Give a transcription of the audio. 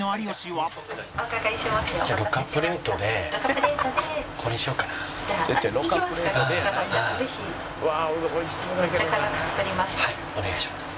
はいお願いします。